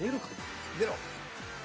出ろ！